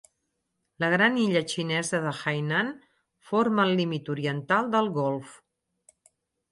La gran illa xinesa de Hainan forma el límit oriental del golf.